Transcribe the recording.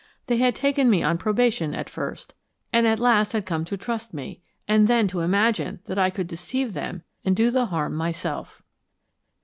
They had taken me on probation at first, and at last had come to trust me and then to imagine that I could deceive them and do the harm myself!